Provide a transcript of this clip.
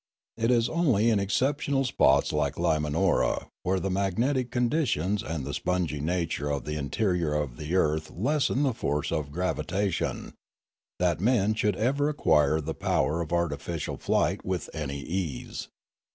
It is only in exceptional spots like Limanora, where the magnetic conditions and the spongy nature of the interior of the earth lessen the force of gravita tion, that men could ever acquire the power of artificial flight with any ease.